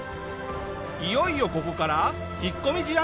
いよいよここから引っ込み思案